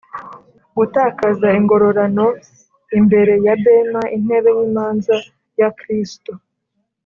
Gutakaza ingororano imbere ya Bema (Intebe y'imanza) ya Kristo